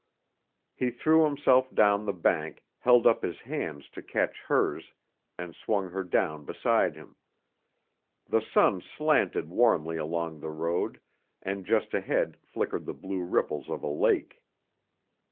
He threw himself down the bank, held up his hands to catch hers, and swung her down beside him. The sun slanted warmly along the road and just ahead flickered the blue ripples of a lake.